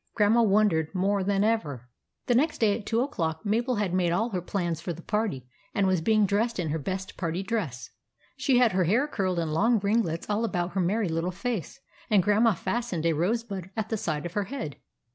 Grandma wondered more than ever. The next day at two o'clock, Mabel had made all her plans for the party, and was being dressed in her best party dress. She had her hair curled in long ringlets all about her merry little face, and Grandma fastened a rose bud at the side of her head.